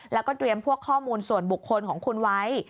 แล้วก็เตรียมพวกข้อมูลส่วนบุคคลของคุณไว้